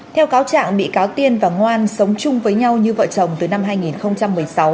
theo cáo trạng bị cáo tiên và ngoan sống chung với nhau như vợ chồng từ năm hai nghìn một mươi sáu